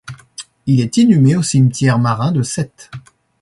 Il est inhumé au cimetière marin de Sète.